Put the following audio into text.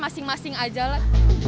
masing masing aja lah